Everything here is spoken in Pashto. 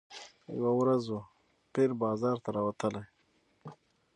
یوه ورځ وو پیر بازار ته راوتلی